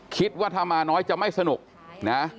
คิดว่าถ้ามาน้อยจะไม่สนุกนะ